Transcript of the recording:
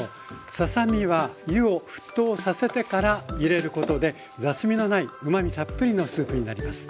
ささ身は湯を沸騰させてから入れることで雑味のないうまみたっぷりのスープになります。